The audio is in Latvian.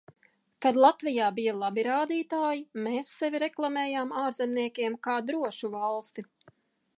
Kad Latvijā bija labi rādītāji, mēs sevi reklamējām ārzemniekiem kā drošu valsti.